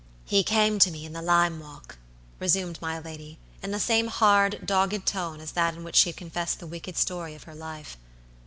"He came to me in the lime walk," resumed my lady, in the same hard, dogged tone as that in which she had confessed the wicked story of her life.